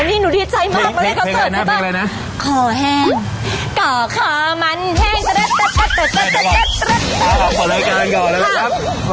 วันนี้หนูดีใจมากมาเล่นคอร์สเซิร์ต